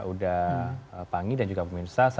udah panggi dan juga pemirsa